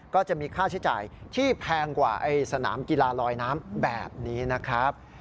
ก็จะมีค่าใช้จ่ายที่แพงกว่าสนามกีฬาลอยน้ำแบบนี้นะครับ